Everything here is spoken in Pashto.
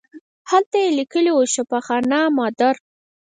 هلته یې لیکلي وو شفاخانه مادر.